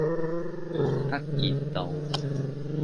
郝德傑道